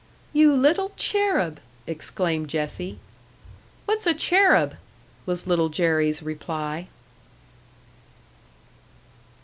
"You little cherub!" exclaimed Jessie. "What's a cherub?" was Little Jerry's reply.